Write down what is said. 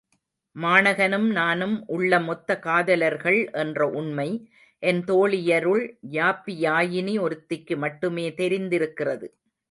மாணகனும் நானும் உள்ளம் ஒத்த காதலர்கள் என்ற உண்மை என் தோழியருள் யாப்பியாயினி ஒருத்திக்கு மட்டுமே தெரிந்திருக்கிறது.